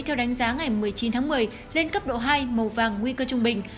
theo đánh giá ngày một mươi chín tháng một mươi lên cấp độ hai màu vàng nguy cơ trung bình